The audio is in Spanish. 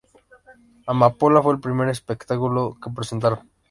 Amapola fue el primer espectáculo que presentaron.